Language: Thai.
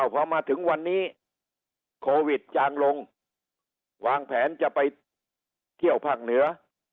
พอมาถึงวันนี้โควิดจางลงวางแผนจะไปเที่ยวภาคเหนือ